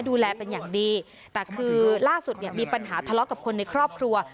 ดูแลเป็นอย่างดีแต่คือล่าสุดเนี่ยมีปัญหาทะเลาะกับคนในครอบครัว